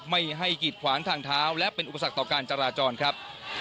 ไม่ให้กิดขวางทางเท้าและเป็นอุปสรรคต่อการจราจรครับ